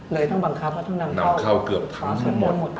เลยต้องบังคับต้องนำเข้าเกือบทั้งหมด